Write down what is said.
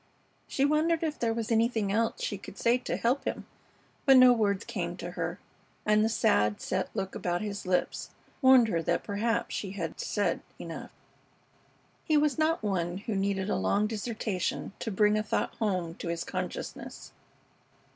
She wondered if there was anything else she could say to help him, but no words came to her, and the sad, set look about his lips warned her that perhaps she had said enough. He was not one who needed a long dissertation to bring a thought home to his consciousness.